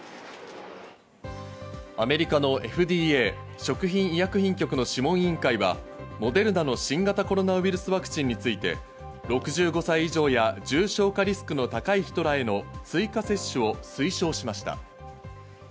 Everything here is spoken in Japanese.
アメリカのＦＤＡ＝食品医薬品局の諮問委員会はモデルナの新型コロナウイルスワクチンについて、６５歳以上や重症化リスクの高い人らへの追加接種を推奨しました。